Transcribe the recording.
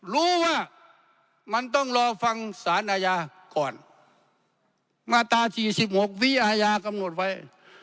รู้ว่ามันต้องรอฟังสารอาญาก่อนมาตรา๔๖วิอาญากำหนดไว้